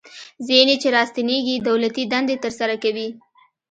ځینې چې راستنیږي دولتي دندې ترسره کوي.